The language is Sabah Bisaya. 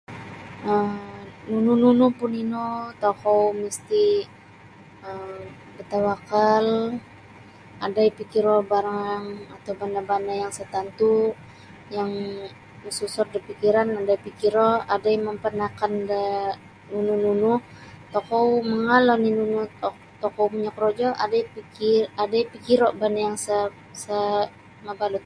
um nunu nunu pun ino tokou misti' um batawakal adai pikiro' barang atau banda'-banda' yang isa' tantu' yang masusot da pikiran adai pikiro' adai mampanakan da nunu-nunu tokou mangaal oni nunu tokou punyo krorojo adai pikir adai pikiro banda' yang sa' sa' mabalut.